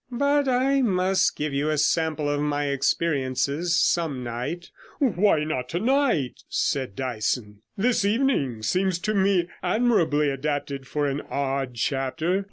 But I must give you a sample of my experiences some night.' 'Why not tonight?' said Dyson. 'This evening seems to me admirably adapted for an odd chapter.